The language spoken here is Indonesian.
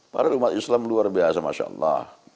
padahal umat islam luar biasa masya allah